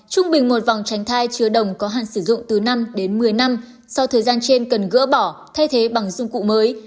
trung bình một vòng tránh thai chứa đồng có hạn sử dụng từ năm đến một mươi năm sau thời gian trên cần gỡ bỏ thay thế bằng dung cụ mới